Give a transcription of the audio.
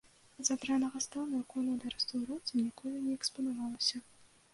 З-за дрэннага стану ікона да рэстаўрацыі ніколі не экспанавалася.